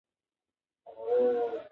ښوونکی زده کوونکو ته د هڅې ارزښت ښيي